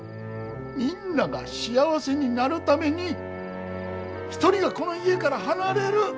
みんなが幸せになるために１人がこの家から離れる。